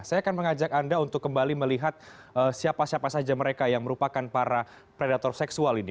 saya akan mengajak anda untuk kembali melihat siapa siapa saja mereka yang merupakan para predator seksual ini